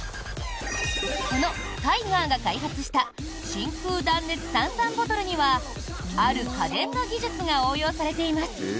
このタイガーが開発した真空断熱炭酸ボトルにはある家電の技術が応用されています。